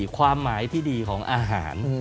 ความหมายที่ดีของอาหาร